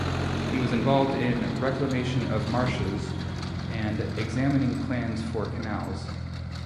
He was involved in reclamation of marshes and examining plans for canals.